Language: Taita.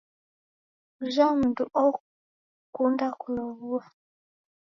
Ujha mdu okunda kulow'ua.